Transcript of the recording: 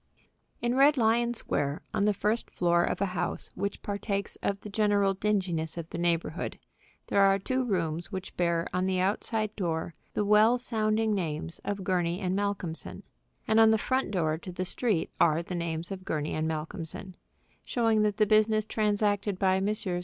In Red Lion Square, on the first floor of a house which partakes of the general dinginess of the neighborhood, there are two rooms which bear on the outside door the well sounding names of Gurney & Malcolmson; and on the front door to the street are the names of Gurney & Malcolmson, showing that the business transacted by Messrs.